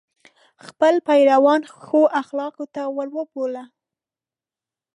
خپل پیروان ښو اخلاقو ته وروبولي.